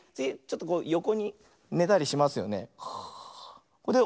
よこにねたりしますよね。